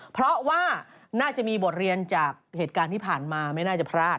เพราะว่าน่าจะมีบทเรียนจากเหตุการณ์ที่ผ่านมาไม่น่าจะพลาด